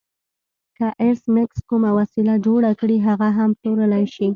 که ایس میکس کومه وسیله جوړه کړي هغه هم پلورلی شي